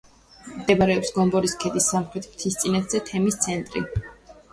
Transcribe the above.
მდებარეობს გომბორის ქედის სამხრეთ მთისწინეთზე, თემის ცენტრი.